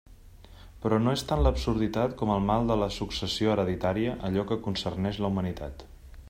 Però no és tant l'absurditat com el mal de la successió hereditària allò que concerneix la humanitat.